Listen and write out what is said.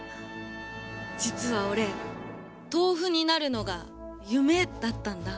実は俺豆腐になるのが夢だったんだ。